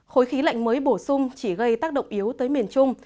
khối khí lạnh mới bổ sung chỉ gây tác động yếu tới miền trung